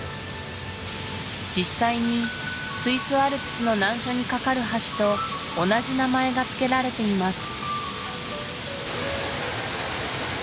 実際にスイスアルプスの難所にかかる橋と同じ名前がつけられています